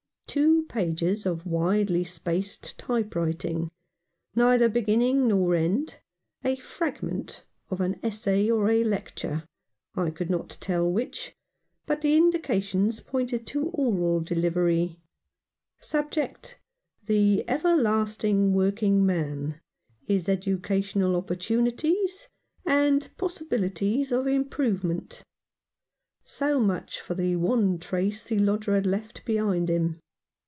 Two pages of widely spaced type writing — neither beginning nor end — a fragment of an essay or a lecture, I could not tell which — but the indications pointed to oral delivery. Subject, the everlasting working man, his educational 192 Mr. Founds Record. opportunities and possibilities of improvement. So much for the one trace the lodger had left behind him.